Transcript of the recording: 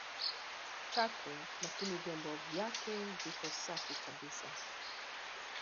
chake lakini vyombo vyake viko safi kabisa